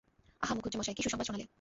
আহা মুখুজ্যেমশায়, কী সুসংবাদ শোনালে!